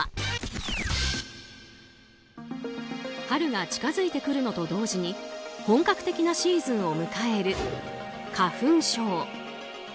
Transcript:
春が近づいてくるのと同時に本格的なシーズンを迎える花粉症。